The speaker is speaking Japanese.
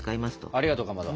ありがとうかまど。